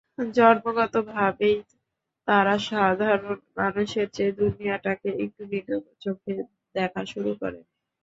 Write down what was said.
জন্মগতভাবেই তাঁরা সাধারণ মানুষের চেয়ে দুনিয়াটাকে একটু ভিন্ন চোখে দেখা শুরু করেন।